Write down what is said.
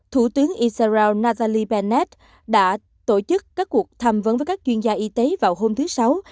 thủ tướng israel nazali bennett đã tổ chức các cuộc thăm vấn với các chuyên gia y tế vào hôm thứ sáu